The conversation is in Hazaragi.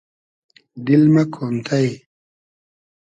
دیل مۂ کۉنتݷ